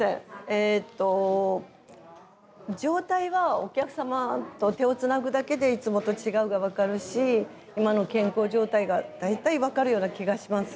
えっと状態はお客様と手をつなぐだけでいつもと違うが分かるし今の健康状態が大体分かるような気がします。